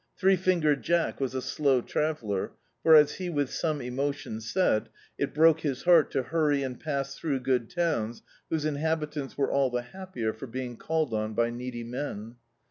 Three Fingered Jack was a slow traveller for, as he with some emotion said — "It broke his heart to huny and pass through good towns whose in habitants were all the happier for being called on by needy men."